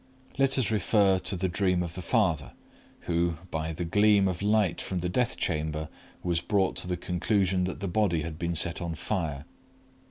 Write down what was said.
Let us refer to the dream of the father who, by the gleam of light from the death chamber, was brought to the conclusion that the body has been set on fire.